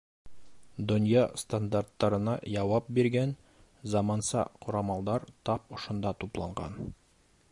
Донъя стандарттарына яуап биргән заманса ҡорамалдар тап ошонда тупланған.